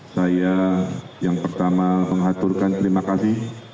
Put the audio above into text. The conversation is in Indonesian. saya yang pertama mengaturkan terima kasih